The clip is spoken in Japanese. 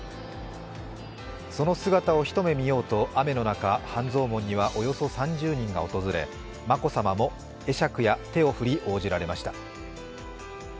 その姿を一目見ようと、雨の中、半蔵門にはおよそ３０人が訪れ、眞子さまも会釈や手を振り、応じられました。